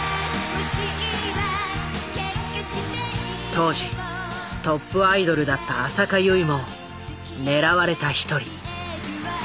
当時トップアイドルだった浅香唯も狙われた一人。